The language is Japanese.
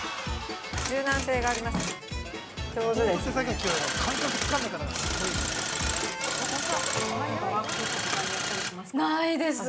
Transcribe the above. ◆柔軟性があります。